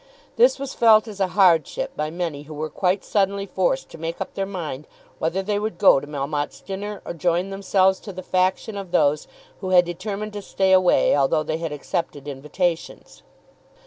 This was felt as a hardship by many who were quite suddenly forced to make up their mind whether they would go to Melmotte's dinner, or join themselves to the faction of those who had determined to stay away although they had accepted invitations.